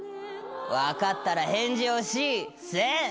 分かったら返事をし千！